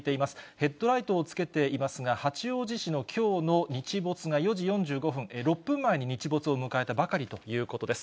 ヘッドライドをつけていますが、八王子市のきょうの日没が４時４５分、６分前に日没を迎えたばかりということです。